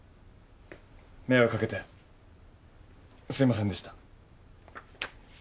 迷惑掛けてすいませんでした。